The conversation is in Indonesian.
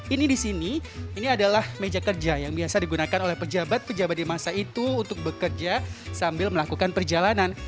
ini di sini ini adalah meja kerja yang biasa digunakan oleh pejabat pejabat di masa itu untuk bekerja sambil melakukan perjalanan